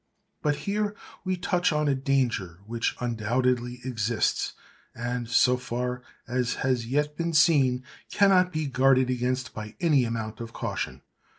But here we touch on a danger which undoubtedly exists, and—so far as has yet been seen—cannot be guarded against by any amount of caution.